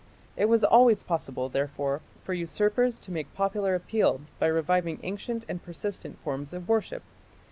It was always possible, therefore, for usurpers to make popular appeal by reviving ancient and persistent forms of worship.